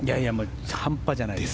半端じゃないです。